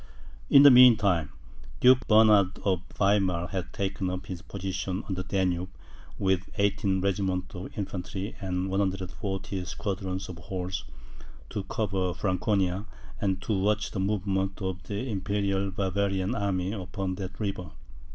In the mean time, Duke Bernard of Weimar had taken up his position on the Danube, with eighteen regiments of infantry and 140 squadrons of horse, to cover Franconia, and to watch the movements of the Imperial Bavarian army upon that river.